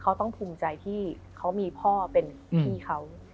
เขาต้องภูมิใจที่เขามีพ่อเป็นพี่เขา